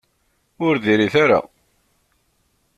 Ur diri-t ara.